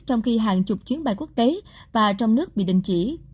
trong khi hàng chục chuyến bay quốc tế và trong nước bị đình chỉ